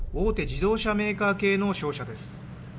自動車メーカー系の商社です。